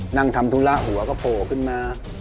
ทำธุระหัวก็โผล่ขึ้นมา